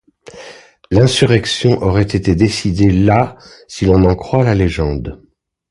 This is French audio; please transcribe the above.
L'insurrection aurait été décidée là si l'on en croit la légende.